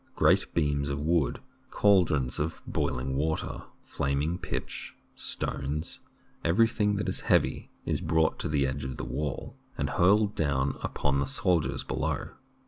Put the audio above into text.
Great beams of wood, cal drons of boiling water, flaming pitch, stones — everything that is heavy — is brought to the edge of the wall and hurled down upon the soldiers be low.